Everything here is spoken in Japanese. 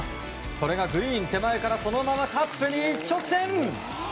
それがグリーン手前からそのままカップに一直線。